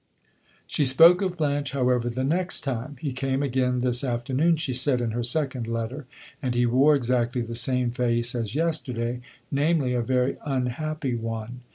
She spoke of Blanche, however, the next time. "He came again this afternoon," she said in her second letter, "and he wore exactly the same face as yesterday namely, a very unhappy one.